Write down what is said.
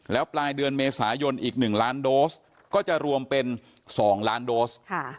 แล้วปลายเดือนเมษายนอีก๑ล้านโดสก็จะรวมเป็น๒ล้านโดส